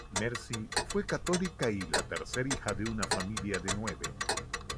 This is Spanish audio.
Mercy, fue católica y la tercer hija de una familia de nueve.